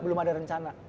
belum ada rencana